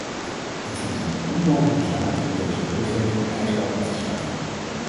Ik vind het een onmogelijke zaak om deze berichtgeving ijskoud af te schaffen.